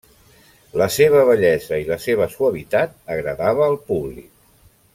La seva bellesa i la seva suavitat agradava al públic.